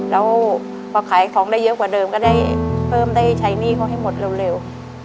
แล้วพอขายของได้เยอะกว่าเดิมก็ได้เพิ่มได้ใช้หนี้เขาให้หมดเร็ว